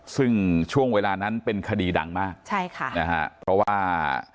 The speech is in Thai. ซึ่งช่วงเวลานั้นเป็นคดีดังมากใช่ค่ะนะฮะเพราะว่า